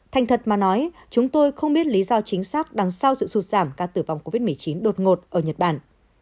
thành thật mà nói chúng tôi không biết lý do chính xác đằng sau sự sụt giảm ca tử vong covid một mươi chín đột ngột ở nhật bản